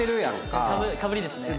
かぶりですね。